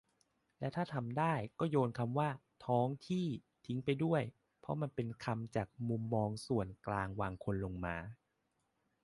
และถ้าทำได้ ก็โยนคำว่า "ท้องที่" ทิ้งไปด้วย เพราะมันเป็นคำจากมุมมองส่วนกลางวางคนลงมา